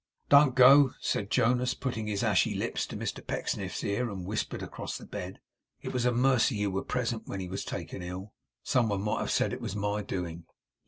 'Don't go,' said Jonas, putting his ashy lips to Mr Pecksniff's ear and whispered across the bed. 'It was a mercy you were present when he was taken ill. Some one might have said it was my doing.